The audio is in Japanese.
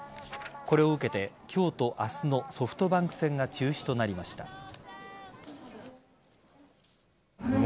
これを受けて今日と明日のソフトバンク戦が中止となりました。